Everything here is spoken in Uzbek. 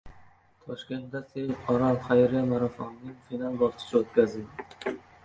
Toshkentda “Save Aral” xayriya marafonining final bosqichi o‘tkazildi